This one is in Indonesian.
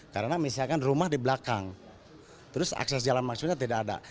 karena misalkan rumah di belakang terus akses jalan masuknya tidak ada